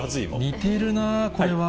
似てるなぁ、これは。